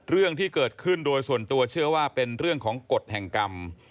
เรื่องที่เกิดขึ้นโดยส่วนตัวเชื่อว่าเป็นเรื่องของกฎแห่งกรรม